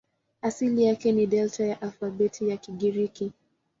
Asili yake ni Delta ya alfabeti ya Kigiriki.